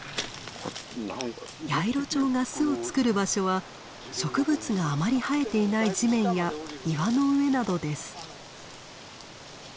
ヤイロチョウが巣を作る場所は植物があまり生えていない地面や岩の上などです。